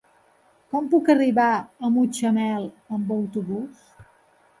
Com puc arribar a Mutxamel amb autobús?